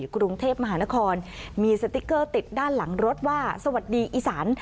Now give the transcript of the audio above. กรุงเทพมหานครมีสติ๊กเกอร์ติดด้านหลังรถว่าสวัสดีอีสาน